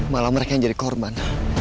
malah mereka yang jadi korban